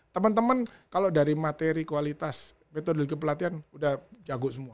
temen temen kalau dari materi kualitas metode pelatihan udah jago semua